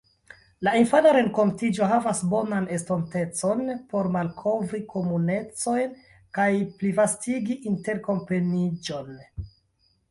La infana renkontiĝo havas bonan estontecon por malkovri komunecojn kaj plivastigi interkompreniĝon.